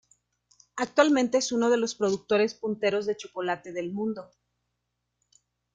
Actualmente es uno de los productores punteros de chocolate del mundo.